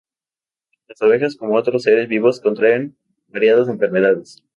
Las abejas como otros seres vivos contraen variadas enfermedades.